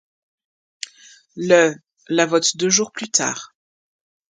Le ' la vote deux jours plus tard.